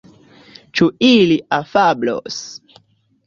Ĉu ili afablos?